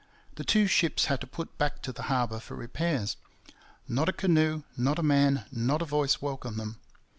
The two ships had to put back to the harbour for repairs. Not a canoe, not a man, not a voice, welcomed them.